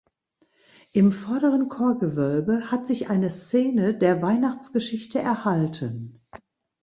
Im vorderen Chorgewölbe hat sich eine Szene der Weihnachtsgeschichte erhalten.